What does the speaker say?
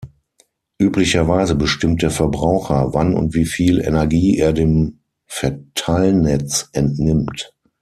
Üblicherweise bestimmt der Verbraucher, wann und wie viel Energie er dem Verteilnetz entnimmt.